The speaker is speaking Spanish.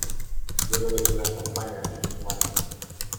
Luego de su gran campaña en Cajamarca.